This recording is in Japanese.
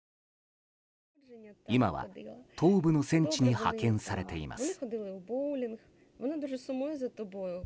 今は東部の戦地に派遣されています。